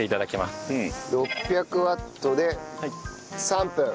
６００ワットで３分。